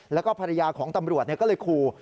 แล้วก็ภรรยาของตำรวจก็เลยขู่